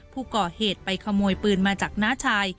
ผู้ก่อเหตุไปขโมยปืนมาจากน้าชาย